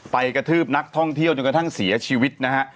กระทืบนักท่องเที่ยวจนกระทั่งเสียชีวิตนะฮะ